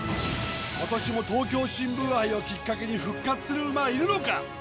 今年も東京新聞杯をきっかけに復活する馬はいるのか？